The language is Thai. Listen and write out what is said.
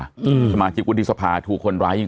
สมาชิกวุฒิสภาถูกคนร้ายยิง